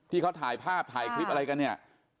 ที่เขาถ่ายภาพถ่ายคลิปอะไรกันเนี่ย